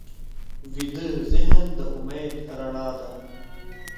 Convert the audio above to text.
ویده ذهن د امید رڼا ده